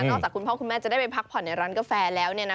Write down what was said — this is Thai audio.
จากคุณพ่อคุณแม่จะได้ไปพักผ่อนในร้านกาแฟแล้ว